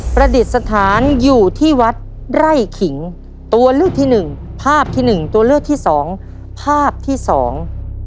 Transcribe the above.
ประดิษฐานอยู่ที่วัดไร่ขิงตัวเลือกที่หนึ่งภาพที่หนึ่งตัวเลือกที่สองภาพที่สอง